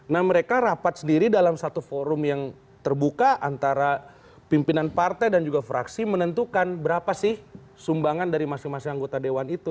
nah mereka rapat sendiri dalam satu forum yang terbuka antara pimpinan partai dan juga fraksi menentukan berapa sih sumbangan dari masing masing anggota dewan itu